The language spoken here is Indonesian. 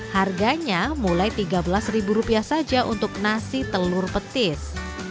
harganya mulai tiga belas saja untuk nasi telur petis